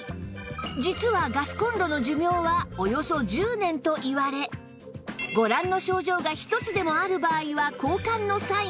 実はガスコンロの寿命はおよそ１０年といわれご覧の症状が１つでもある場合は交換のサイン